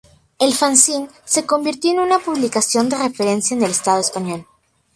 El fanzine se convirtió en una publicación de referencia en el estado español.